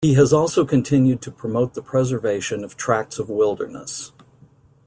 He has also continued to promote the preservation of tracts of wilderness.